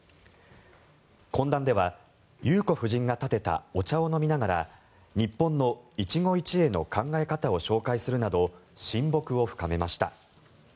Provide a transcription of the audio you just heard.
懇談では裕子夫人がたてたお茶を飲みながら日本の一期一会の考え方を紹介するなど親睦を深めました。